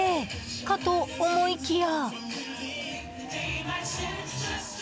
かと思いきや。